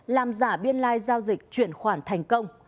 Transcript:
làm giả biên lai giao dịch chuyển khoản thành công